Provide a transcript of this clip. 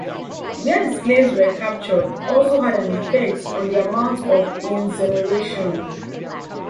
Where the slaves were captured also had an effect on the amount of insurrections.